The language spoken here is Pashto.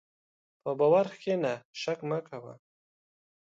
په باور کښېنه، شک مه کوه.